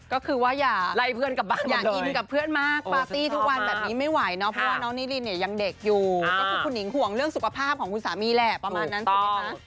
ก็คือว่าอย่าไล่เพื่อนกลับบ้านอย่ากินกับเพื่อนมากปาร์ตี้ทุกวันแบบนี้ไม่ไหวเนาะเพราะว่าน้องนิรินเนี่ยยังเด็กอยู่ก็คือคุณหิงห่วงเรื่องสุขภาพของคุณสามีแหละประมาณนั้นถูกไหมคะ